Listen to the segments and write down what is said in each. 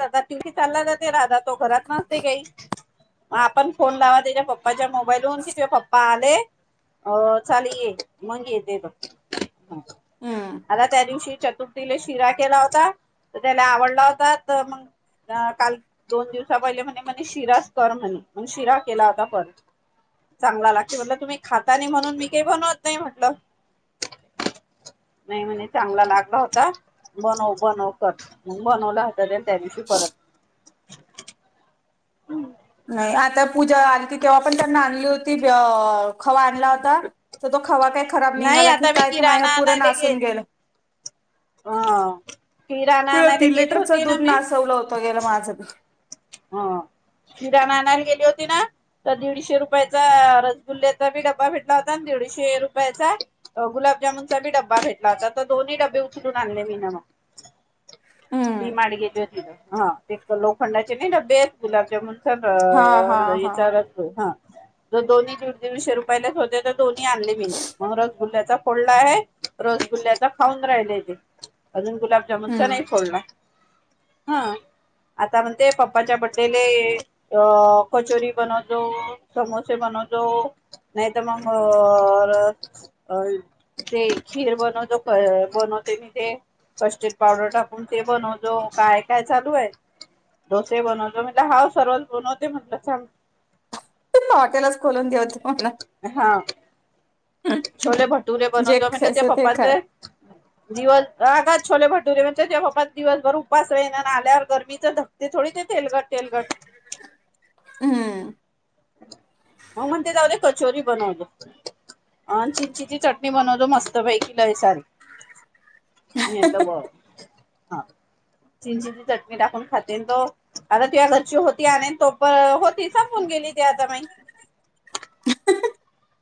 तिवी चालला जाते राधा तो घरात नसते, काही आपण फोन लावा त्याच्या पप्पाच्या मोबाईल वून कि ते पप्पा आले अ चाल ये, मग येते तो, हम्म. आता त्या दिवशी चतुर्थ तिला शिरा केला होता. तर त्याला आवडला होता. मग काल दोन दिवसा पहिले, म्हणे म्हणे शिराच कर म्हणे म शिरा केला होता पर चांगला लागते म्हटलं तुम्ही खाता नाही म्हणून मी काही बनवत नाही म्हटलं नाही म्हणे चांगला लागला होता. बनव, बनव कर बनवला हो त्या दिवशी परत, हम् नाही आता पूजा आलती तेव्हा पण त्यांना आणली होती. खवा आणला होता तर तो खवा काही खराब नाही निघाला की आता मी काय माझ किराणा पुरण आसून गेल, हम पूर्ण तीन लिटरच दूध नासवलं होतं गेलं होत माझं हो, किराणयला गेली होती ना, तर दीडशे रुपयाचा रसगुल्लेचाी डबा बी भेटला होता. आणि दीडशे रुपयाचा गुलाबजामन चा बी डब्बा भेटला होता. तर दोन्ही डब्बे उचलून आणले, मीन म डी हम्म. मार्ट गेली होती ह् तिथं लोखंडाची नाही डबे आहेत गुलाबजमुन हा हा तर हा. विचारत हं जर दोन्ही दीडशे दिडशे रुपयलाच होते तर दोन्ही आणले, मी मग रसगुल्ल्याचा फोडला आहे. रसगुल्ल्याचा खाऊन राहिले ते, अजून गुलाबजामुनच हम्म. नाही फोडला. हं आता पण ते पप्पाच्या बडेले अ कचोरी बनवतो, समोसे बनवतो नाहीतर मग अ ते खीर बनवतो, बनवते मी ते कस्टेड पावडर टाकून ते बनवतो काय काय चालू आहे. डोसे बनवत म्हणे हाव सर्वच बनवते म्हटलं चांग हाॅटेलच खोलून ठेवते म्हणाव. हा छोले भटुरे बनवतो, म्हण त्या ते खाय. पप्पाचे दिवस कागात छोले भटुरे म्हणजे जेव्हापास दिवसभर उपास होइन आल्यावर गर्मीचे धक्क थोडी ते तेलगट, तेलगट हम् म म्हणते जाऊ देत कचोरी बनवतो. अ चिंचची चटणी बनवतो मस्त पैकी लय सारी [unintelligible] ह चिंचेची चटणी टाकून खातेन तो, आता तुझ्या घरची होती आणन तो पण होती, संपून गेली ती आता माई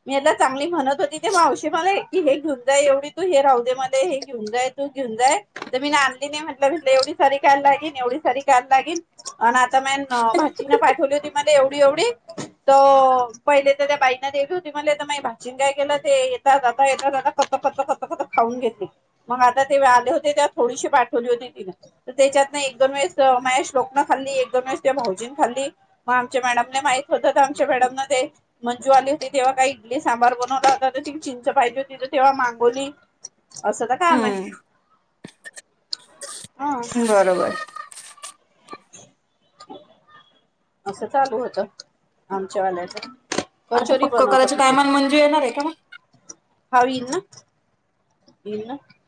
मी आता चांगली म्हणत होती, ते मावशी मला कि हे घेऊन जाय एवढी तू हे राह दे मध्ये हे घेऊन जाय तू घेऊन जाय मी ना आणली नाही. म्हटलं म्हटलं एवढी सारी खयला लागेल एवढी सारी खयला लागेल आणि आता म भाचीन पाठवली होती, मध्ये एवढी एवढी त पहिले तर त्या बाईना दे भाचीन काय केलं, ते येता जाता येता कच, कच, खाऊन घेतली मग आता ते आले होते त्या थोडीशी पाठवली होती तिनं तर त्याच्यात एक दोन वेळेस माझ्या श्लोकनं खाल्ली एक दोन वेळेस त्या भाऊजीन खाल्ली मग आमच्या मॅडमने माहित होत तर आमच्या मॅडम न ते मंजू आली तेव्हा काही इडली सांबार बनवला होता, तर चिंच पाहिजे होती तर तेव्हा मागोली. असंल काम आहे हम्म ह बरोबर असं चालू होत, आमच्या वाल्याच्यात आता पक्क कराच्याक्षटायमान मंजू येणार आहे का मग हवीन ना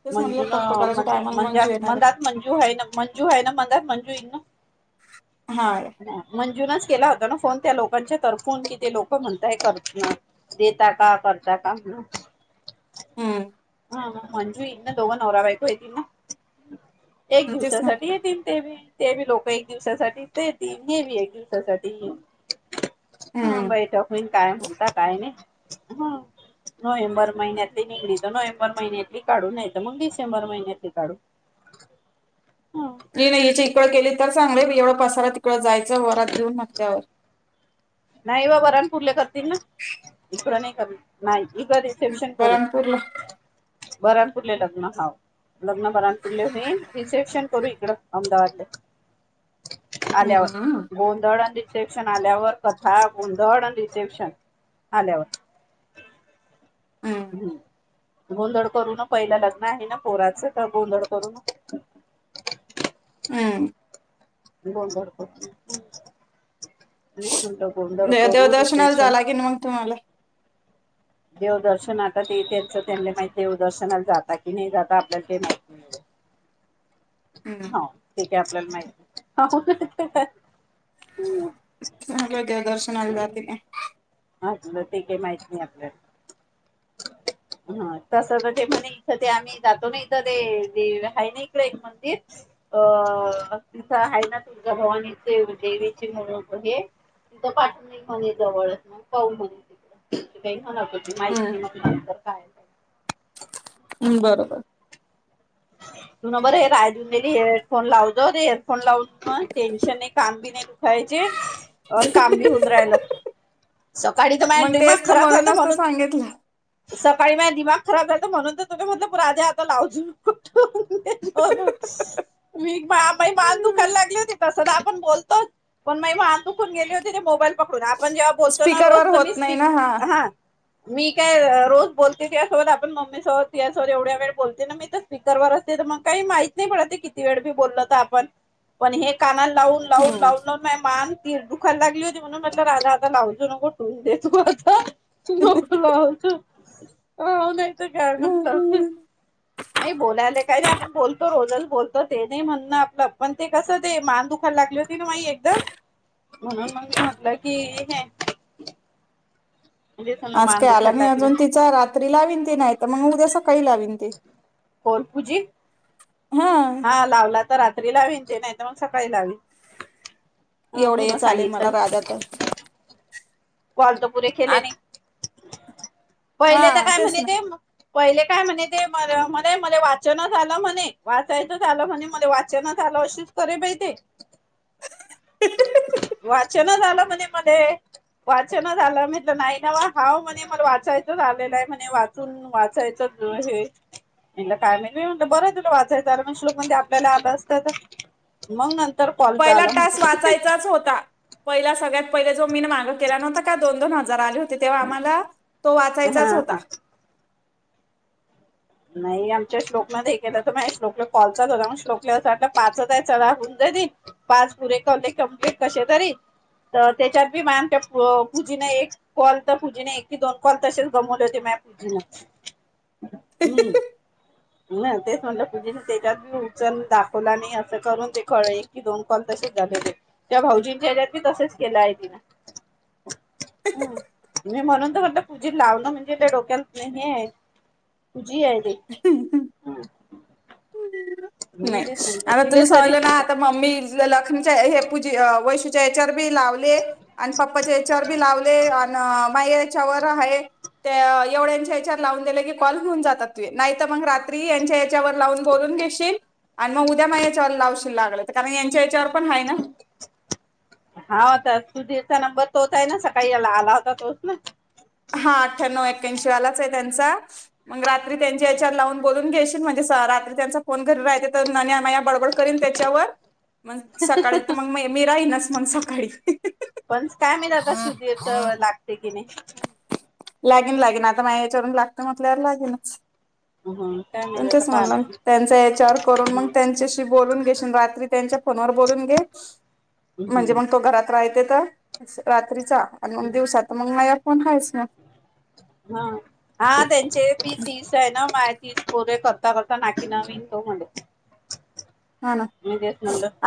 तेच म्हणलं मंजू पक्क करायच्या टायमाला म्हणज मंजू येणार मात आहे. मंजू आहे ना मंजू आहे ना मात म्हंज ना हा. ह मंजुनाच केला होता ना फोन त्या लोकांच्या तरफून कि ते लोक म्हणताय कर देता का करता का म्ह हम्म हा मंजु इन दोघ नवरा बायको होती ना एक तेच दिवसासाठी म्हटलं ये तन तेवी तेवी लोक एक दिवसासाठी ते त घेमी एक दिवसासाठी हा हम्म. बाई टकमीन काय म्हणता काय नाही हा नोवंबर महिन्यातली निघडीत नोवंबर र महिन्यातली काढू नाही तर मग डिसेंबर महिन्यातली काढू ह नाही नाही याच्या इकडं केली तर चांगले मी एवढा पसारा तिकडं जायचं वरात देऊन नकल्यावर नाही बा ब राणपुरले करतील ना इकडं नाही कर नाही इकडं रिसेप्शन करू परमपूरला बरणपूरले लग्न हाव लग्न बरणपूरले हो रिसेप्शन करू इकड अहमदाबादले हम्म आल्यावर गोंदवळ आणि शिक्षण आल्यावर कथा गुंधळ आणि रिसेप्शन आल्यावर हम्म हम्म गोंधळ करून पहिलं लग्न आहे ना पोराचं तर गोंधळ करून हम क बोलत दे देवदर्शनावर रिसेप्शन झाला की नाही मग तुम्हाला देवदर्शन आता ते त्यांच त्यां माहि देवदर्शनाला जाता की नाही जाता आपल्याला ते माहिती हम् ठीक आहे आपल्याला माहिती ह व दर्शनाल जातातिक ह तलं ते काही माहित नाही आपल्याला ह तस ते म्हणे इथं ते आम्ही जातो ना इथं ते दे आहे ना इक एक मंदिर अ तिथं आहे ना तुझ भवानीचे देवीचे हे तिथं पाठून म्हणे जवळचग हो ह नक हम्म माहितींत काय काय हम्म बरोबर तुून बरं हे रायजून हेरफोन लावतो ते हेअरफोन लावून म टेन्शन नाही काम बी नाही दुखायचे अन काम बी होऊन राहिलं सकाळी तर माझ मग दिमाग तेच ना खराब झालत म्हणूनच तर म्हणून सांगितलं सकाळी माझ दिमाग खराब झाल तर म्हणून तर तो म्हणलंराधे आता लावूच नको मीई मान दुखायला लागली होती तस आपण बोलतो पण मा माहान दुखून गेली होती मोबाईल पकडून आपण जेव्हा बोलतो ना रोज स्पीकरवर तर मी होत नाही स्पीक ना हा. मी काय रोज बोलते त्यासोबत आपण मम्मी सोबत तिसोबत एवढ्या वेळ बोलते ना मी तर. दरवरस काही माहित नाही पडत किती वेळी बोललो आपण पण हे का लावून लावून लावून लावून माय मान ती दुखाला लागली होती म्हणून म्हटलं राजा आता लावजो नको टून देतों चि लाच ह नाहीत काय म्हधलं हम्म नाही. बोलायला काही नाही. आपण बोलतो रोजच बोलतो ते नाही म्हणण आपलं पण ते कसं ते मान दुखायला लागले होते ना माई एकदम म्हणून मग मी म्हटलं की हे. म्हणजे समजा आज मान काही आला दुखायला नाही लागले अजून तिच्या रात्री लावीन ती नाही. तर मग उद्या सकाळी लावीन ती. पुज्यित हा हा लावला. तर रात्री लावीन ते नाही तर मग सकाळी लावीन. ह एवढं तू हे न चालेल मला सांगितलं राजा तर. कॉलतपुरे केली नाही हा पहिले त काय तेच म्हणे ना ते मग पहिले काय म्हणे ते म्हणे मला वाचन आलं म्हणे वाचायचं झालं म्हणे मला वाचन आलं अच करे बाई ते वा चन झालं म्हणे मले वाचनच आलं म्हटलं नाही नावा हाव म्हणे मला वाचायचंच आलेलं आहे म्हणे, वाचून वाचायचं हे म्हटलं काय म्ह म म्हटलं, बरं तुला वाचायचं आलं श्लोक म्हणजे आपल्याला आलं असतं मग न- पहिला टास्क वाचायचाच होता. पहिला सगळ्यात पहिले जो मी न मागं केला नव्हता का? दोन दोन हजार आले. तेव्हा आम्हाला तो हा वाचायचाच होता. हा नाही आमच्या श्लोक मध्ये तर माझ श्लोकला कॉलचाच होता श्लोकला वाट पाचच च होन जा पाच पुरे कॉलते कमप्लीट कसे तरी तर त्याच्याती आमच्या पुजीने एक कॉल तर पुजीने एकी दोन कॉल तसेच गमवले होते मॅम हम्म. ना तेच म्हणलं पुजिन त्याच्यात बी उचल दाखवला नाही, असं करून ते कळ की दोन कॉल तसेच झालेले, त्या भाऊजींच्या हच्यात बी तसेच केलं, आहे तिन- हम्. मी म्हणून तर म्हणलं, पूजी लावणं म्हणजे त्या डोक्यात नाही, आहे. आहे ते ह [inaudible] [inaudible] मी नाही. तेच म्हटलं आता तिले तुला तरी समजलं ना, आता मम्मी इजल- लखमीच्या हे पूजी वैशूच्या याच्यावर बी लावले आणि पप्पाच्या याच्यावर बी लावले आणि अन माई याच्यावर आहे, त्या एवढ्यांच्या याच्यावर लावून दिले की, कॉल घेऊन जातात नाही, तर मग रात्री यांच्या याच्यावर लावून बोलून घेशील. आणि मग उद्या मग याच्यावर लावशील लागलं, तर कारण यांच्या याच्यावर पण आहे ना, हा होता सुधीरचा नंबर तोच आहे ना, सकाळी आला होता तोच ना? हा अठ्ठ्याण्णव एकक्क्यांशी वालाच आहे, त्यांचा मग रात्री त्यांच्या याच्यावर लावून बोलून घेशील, म्हणजे स रात्री त्यांचा फोन घरी राहते तर ना, माया बडबड करीलन त्याच्यावर- मग सकाळी तर मग मी राहीना मग सकाळी- पण काय म आता सुधीरच लागते की नाही? लागेन, लागेन, आता माझ याच्यावरून लागत म्हटल्यावर लागेनच. हम्म काय माहित आता पणचच पाहा म्हणल लागेल त्यांचा याच्यावर करून मग हम्म त्यांच्याशी बोलून घे- रात्री त्यांच्या फोनवर बोलून घे- म्हणजे मग तो हम्म घरात राह- तर रात्रीचा- आणि मग दिवसात मग नाही कोण आहिसा? हा, हा, त्यांचे तीस आहे ना मा- ती कोरे करता करता नाकी नवीन तो म्ह हा ना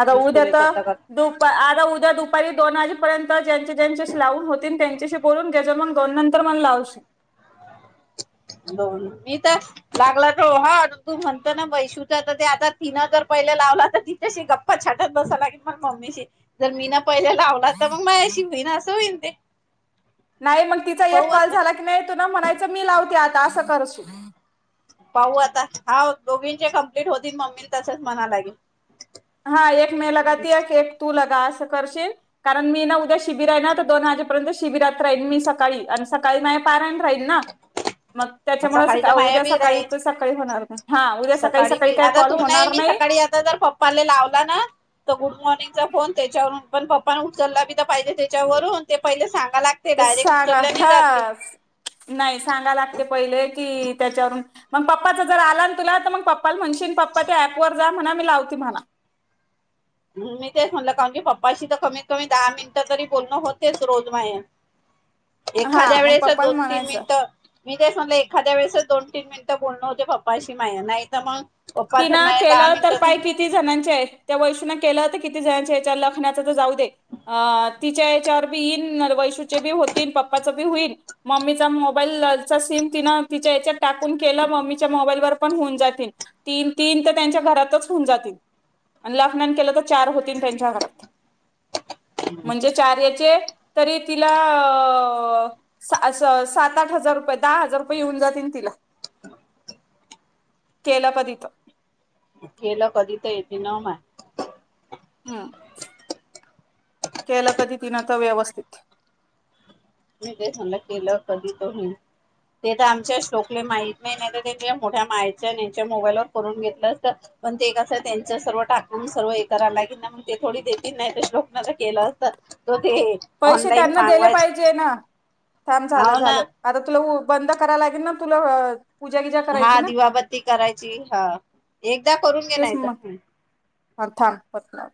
आता उद्या पुरे त-. करता करता दुप आता उद्या दुप दुपारी दोन वाजेपर्यंत ज्यां ज्यांच्याशी लावून होत दोन मी तर लागला, तो हा तू म्हणत, ना बैशू ते आता तिनं जर पहिले लावला, तर तिच्याशी गप्पा छाटत बसाला के मग मम्मीशी जर मीन पहिल्या लावला तर मग माझ्याशी होईन असं होईन ते- नाही, मग तिचा पाहू एक कॉल आता झाला की नाही म्हणायचं मी लावते आतां. पाहू आता हा दोघींचे कम्प्ललीट होतील मम्मी तसंच म्हणा लागेल हा एक मे लगाती ह एक तू लगा करशील कारण मी ना उद्या शिबिर आहे ना तर दोन वाजेपर्यंत शिबिरात राहीन मी सकाळी आणि सकाळी नाही पाराण राहीन ना मग सकाळी त्याच्यामुळे तर माया उद्या बी सकाळी राहील तर सकाळी होणार नाही हा उद्या सकाळी बी काही आता कॉल तू नाही होणार मी सकाळी आता तर पप्पा मले लावला ना गुड मर्नंग फोन त्याच्यावर पण पप्पाने उचलला तर पाहिले त्याच्यावरून ते पहिले सांग ते सांगा ह नाही सांगा लागते पहिले कि त्याच्यावरून मग पप्पाचा ज आला ना तु तर मग प् म्हणशन पप्पा त्या ॲपवर जा म्हणा मी लावते म्हला मी तेच म्हणलं कारण म्हणजी पप्पाशी तर कमीत कमी दहा मिनिटं तरी बोलणं होतेच रोज माझ हा एखाद्या मग वेळेस पप्पाला दोन तीन म्हणायचं. मिनिटं मी ते सगलं एखाद्या वेळेस दोन तीन मिनिटं बोलणं होते पप्पा अशी माहि नाही तर मग पप्पा तर तिना माय दहा केलं तर मिनिटं पाय किती जणांचे त्या व के किती जणच्या याच्यावर लखण्याच जाऊ दें तिच्या याच्यावर बी येईन वैशूचे बी होतील पप्पां बी होईन मम्मीचा मोबाईलचा सिम तिन तिच्या याच्यात टाकून केलं मम्मीच्या मोबाईल वर पण होऊन जातील तीन तीन तर त्यांच्या घरातच होऊन जातील आणि लना केलं चार होती त्यांच्या घरात [inaudible] [inaudible] म्हणजे चार्याचे तरी तिला अ अ सात आठ हजार रुपये दहा हजार रुपये येऊन जातील तिला [inaudible] केला का टिने [inaudible] केलं कधी तर येते न माया हम् [inaudible] केलं कधी तिनं तर व्यवस्थित [inaudible] म ते म्हलं केलं कधी तो ते तर आमच्या श्लोकले माहीत नाही नाही तर त्यांच्या मोठ्या मायच्या त्यांच्या मोबाईल वर करून घेतलं असतं पण ते कसं त्यांच सर्व टाकून सर्व एरायला लागे नाही मग ते थोडी देतील नाही तर श्लोकना केलं असतं पैसे त्यांना दिले पाहिजे ना [inaudible] थांब झालं हो ना झालं आता तुला हो बंद करायला लागेल ना तुला पूजा गिजा हा करायची ना दिवाबत्ती करायची हा एकदा करून घे नाही तर हा हथम बरका